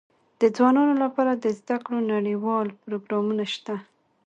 د ځوانانو لپاره د زده کړو نړيوال پروګرامونه سته.